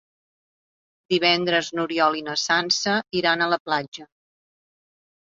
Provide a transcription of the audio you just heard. Divendres n'Oriol i na Sança iran a la platja.